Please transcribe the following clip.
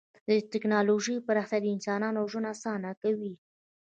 د ټکنالوژۍ پراختیا د انسانانو ژوند اسانه کوي.